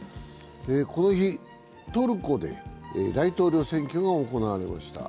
この日、トルコで大統領選挙が行われました。